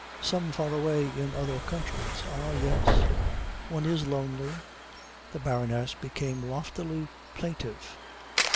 Some far away in other countries. Ah, yes. One is lonely " The Baroness became loftily plaintive.